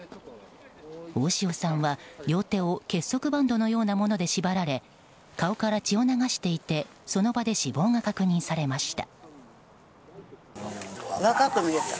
大塩さんは両手を結束バンドのようなもので縛られ顔から血を流していてその場で死亡が確認されました。